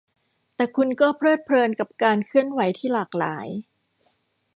แต่คุณก็เพลิดเพลินกับการเคลื่อนไหวที่หลากหลาย